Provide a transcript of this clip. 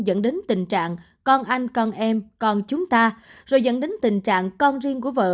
dẫn đến tình trạng con anh con em con chúng ta rồi dẫn đến tình trạng con riêng của vợ